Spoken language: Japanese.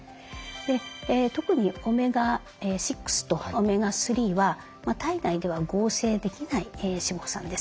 特にオメガ６とオメガ３は体内では合成できない脂肪酸です。